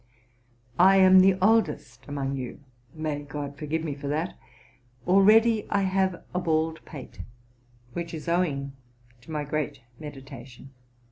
I am the oldest among you: may God forgive me for that! Already have I a bald pate, which is owing to my great meditation."